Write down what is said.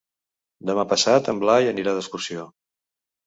Demà passat en Blai anirà d'excursió.